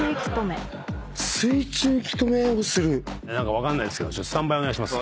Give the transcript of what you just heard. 何か分かんないですけどスタンバイお願いします。